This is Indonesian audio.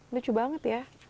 lucu banget ya